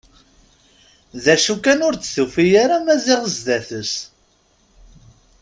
D acu kan ur d-tufi ara Maziɣ sdat-s.